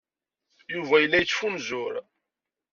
Yuba yella yettfunzur.